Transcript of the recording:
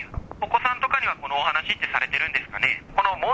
ちなみに、お子さんとかにはこのお話ってされてるんですかね。